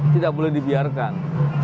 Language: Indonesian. tidak boleh dibiarkan